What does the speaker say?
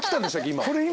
今。